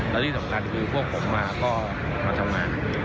และที่สำคัญคือพวกผมมาก็มาทำงาน